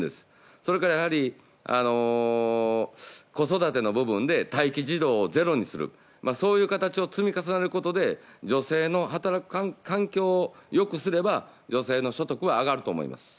それから、子育ての部分で待機児童をゼロにするそういう形を積み重ねることで女性の働く環境をよくすれば女性の所得は上がると思います。